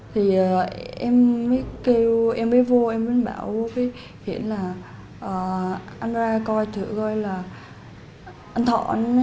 thì em mới vô em mới bảo